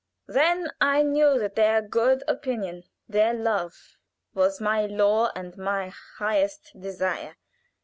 Then I knew that their good opinion, their love, was my law and my highest desire.